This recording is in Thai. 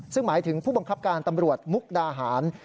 ซึ่งหมายถึงผู้บังคับการตำรวจมุกดาหาร